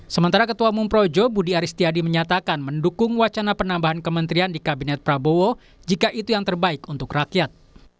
sementara ketua umum projo budi aristiadi menyatakan mendukung wacana penambahan kementerian di kabinet prabowo jika itu yang terbaik untuk rakyat